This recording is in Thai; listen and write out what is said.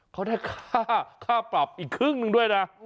เขาได้ค่าปรับอีกครึ่งหนึ่งด้วยนะ